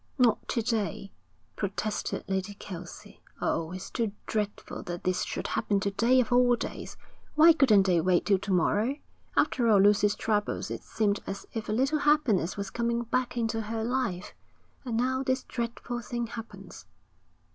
'Not to day,' protested Lady Kelsey. 'Oh, it's too dreadful that this should happen to day of all days. Why couldn't they wait till to morrow? After all Lucy's troubles it seemed as if a little happiness was coming back into her life, and now this dreadful thing happens.'